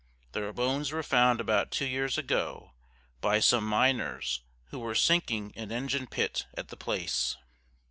Their bones were found about two years ago, by some miners who were sinking an Engine pit at the place.